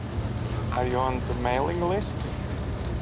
Are you on the mailing list?